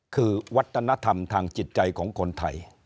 คือวัฒนธรรมทางจิตใจของคนไทย